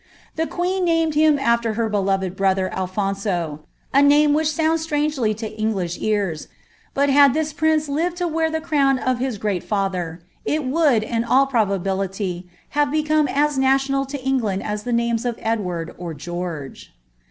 The queen named him after her beloved brother ihoDso ; a name which sounds strangely to English ears, but had this nee lived to wear the crown of his great father, it would, in all liability, have become as national to England as the names of Edward George.